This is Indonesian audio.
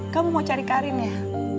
kamu mau cari karin ya